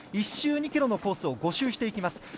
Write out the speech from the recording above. １周２ｋｍのコースを５周していきます。